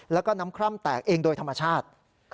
แล้วก็น้ำคร่ำแตกเองโดยธรรมชาติ